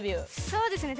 そうですね。